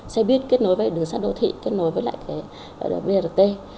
xe buýt kết nối với đường sát đô thị kết nối với lại brt